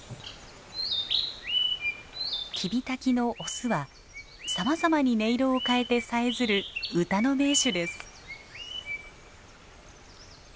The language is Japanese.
キビタキのオスはさまざまに音色を変えてさえずる歌の名手です。